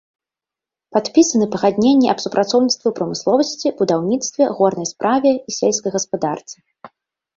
Падпісаны пагадненні аб супрацоўніцтве ў прамысловасці, будаўніцтве, горнай справе і сельскай гаспадарцы.